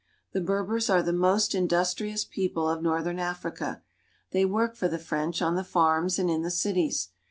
The Berbers are the most industrious people of northern Africa. They work for the French on the farms and in the cities.